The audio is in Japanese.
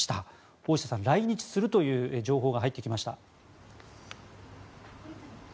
大下さん、来日するという情報が入ってきました。